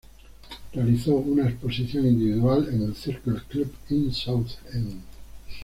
Realizó una exposición individual en el Circle Club in Southend.